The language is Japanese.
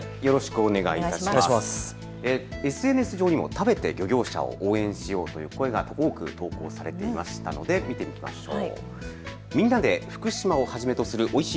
ＳＮＳ上にも食べて漁業者を応援しようという声が多く投稿されていましたので見ていきましょう。